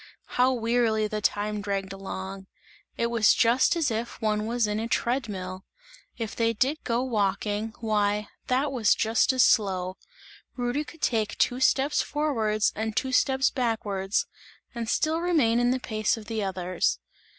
How wearily the time dragged along, it was just as if one was in a tread mill! If they did go walking, why, that was just as slow; Rudy could take two steps forwards and two steps backwards and still remain in the pace of the others.